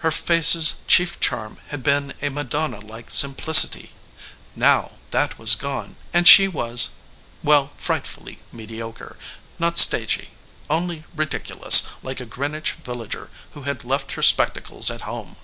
Her face's chief charm had been a Madonna like simplicity. Now that was gone and she was well frightfully mediocre not stagy; only ridiculous, like a Greenwich Villager who had left her spectacles at home.